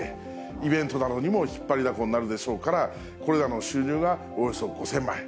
イベントなどにも引っ張りだこになるでしょうから、これらの収入がおよそ５０００万円。